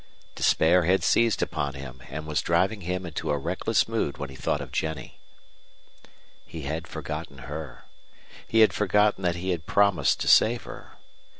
Despair had seized upon him and was driving him into a reckless mood when he thought of Jennie. He had forgotten her. He had forgotten that he had promised to save her.